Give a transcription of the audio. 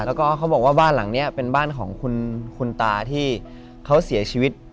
แล้วก็เขาบอกว่าบ้านหลังนี้เป็นบ้านของคุณตาที่เขาเสียชีวิต